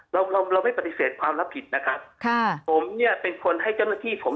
เราไม่ปฏิเสธความลับผิดผมเป็นคนให้เจ้าหน้าที่ผม